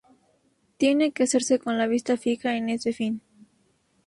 tiene que hacerse con la vista fija en ese fin